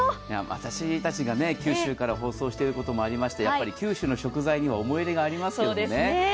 私たちが九州から放送していることもありまして九州の食材には思い入れがありますけどね。